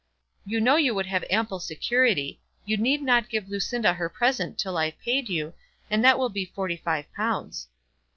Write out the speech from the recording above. "You know you would have ample security. You need not give Lucinda her present till I've paid you, and that will be forty five pounds."